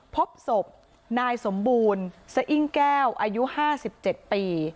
พบศพนายสมบูรณ์สะอิ้งแก้วอายุห้าสิบเจ็ดปี